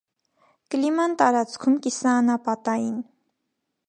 Կլիման տարածքում կիսաանապատային։